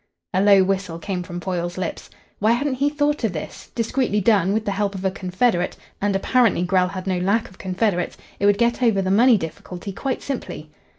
A low whistle came from Foyle's lips. Why hadn't he thought of this? Discreetly done, with the help of a confederate and apparently Grell had no lack of confederates it would get over the money difficulty quite simply.